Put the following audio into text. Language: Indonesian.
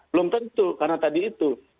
belum tentu karena tadi itu